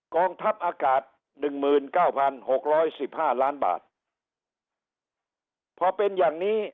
กองทัพอากาศหนึ่งหมื่นเก้าพันหกร้อยสิบห้าล้านบาทพอเป็นอย่างนี้